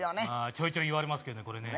ちょいちょい言われますけどね